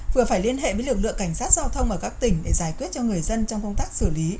vừa phải liên hệ với lực lượng cảnh sát giao thông ở các tỉnh để giải quyết cho người dân trong công tác xử lý